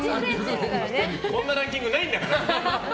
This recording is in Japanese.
こんなランキングないんだから。